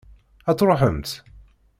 Ad truḥemt?